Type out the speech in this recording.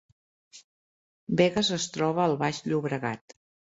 Begues es troba al Baix Llobregat